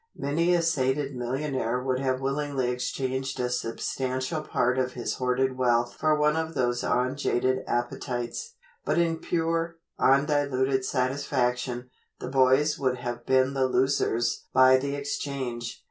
Many a sated millionaire would have willingly exchanged a substantial part of his hoarded wealth for one of those unjaded appetites. But in pure, undiluted satisfaction, the boys would have been the losers by the exchange.